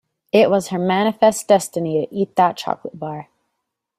It was her manifest destiny to eat that chocolate bar.